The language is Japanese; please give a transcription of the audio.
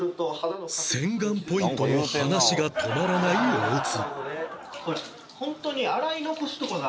洗顔ポイントの話が止まらない大津